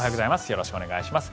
よろしくお願いします。